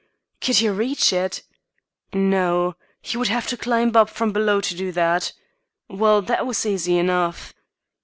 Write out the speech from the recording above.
Could he reach it? No; he would have to climb up from below to do that. Well, that was easy enough.